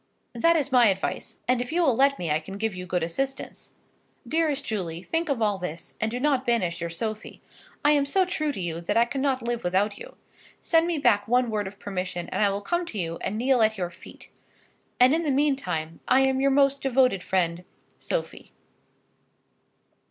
That is my advice, and if you will let me I can give you good assistance. Dearest Julie, think of all this, and do not banish your Sophie. I am so true to you, that I cannot live without you. Send me back one word of permission, and I will come to you, and kneel at your feet. And in the meantime, I am Your most devoted friend, SOPHIE.